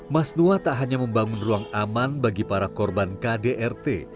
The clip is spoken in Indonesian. mas nuah tak hanya membangun ruang aman bagi para korban kdrt